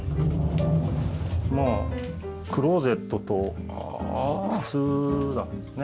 まあクローゼットと靴箱ですね。